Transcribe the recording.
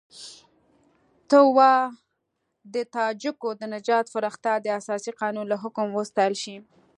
ته وا د تاجکو د نجات فرښته د اساسي قانون له حکم وستایل شي.